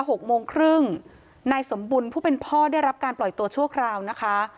หกโมงครึ่งนายสมบุญผู้เป็นพ่อได้รับการปล่อยตัวชั่วคราวนะคะ